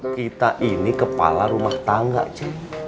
kita ini kepala rumah tangga sih